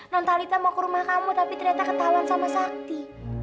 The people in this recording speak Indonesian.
non talita mau ke rumah kamu tapi ternyata ketahuan sama sakti